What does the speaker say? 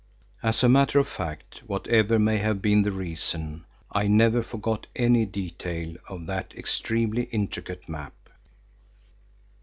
As a matter of fact, whatever may have been the reason, I never forgot any detail of that extremely intricate map.